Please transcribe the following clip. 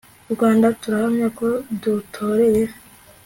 Rwanda turahamya ko dutoreye